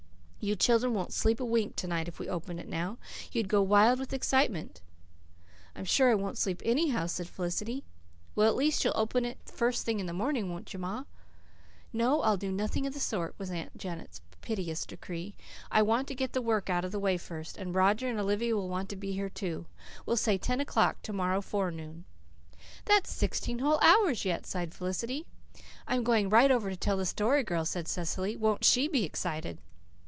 You children wouldn't sleep a wink to night if we opened it now. You'd go wild with excitement." "I'm sure I won't sleep anyhow," said Felicity. "Well, at least you'll open it the first thing in the morning, won't you, ma?" "No, I'll do nothing of the sort," was Aunt Janet's pitiless decree. "I want to get the work out of the way first and Roger and Olivia will want to be here, too. We'll say ten o'clock to morrow forenoon." "That's sixteen whole hours yet," sighed Felicity. "I'm going right over to tell the Story Girl," said Cecily. "Won't she be excited!"